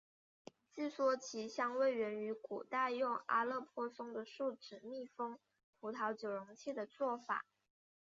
据说其香味源于古代用阿勒颇松的树脂密封葡萄酒容器的做法。